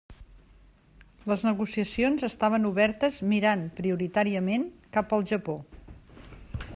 Les negociacions estaven obertes mirant prioritàriament cap al Japó.